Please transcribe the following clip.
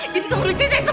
jadi kamu rujuknya itu